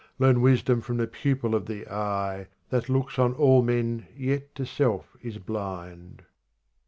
Learn wisdom from the pupil of the eye That looks on all men yet to self is blind.